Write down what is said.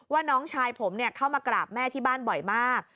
น้องชายผมเข้ามากราบแม่ที่บ้านบ่อยมาก